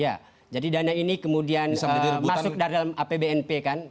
ya jadi dana ini kemudian masuk dari dalam apbnp kan